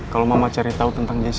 kalau mama cari tahu tentang jessi